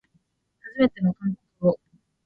はじめての韓国語